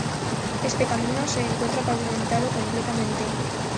Este camino se encuentra pavimentado completamente.